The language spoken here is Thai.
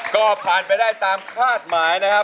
ก็ผ่านไปได้ตามคาดหมายนะครับ